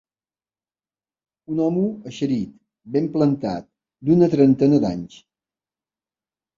Un home eixerit, ben plantat, d'una trentena d'anys